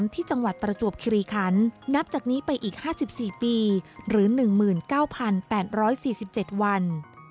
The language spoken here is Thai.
ที่จังหวัดประจวบคิริคันนับจากนี้ไปอีก๕๔ปีหรือ๑๙๘๔๗วัน